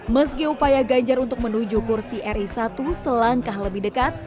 meski upaya ganjar untuk menuju kursi ri satu selangkah lebih dekat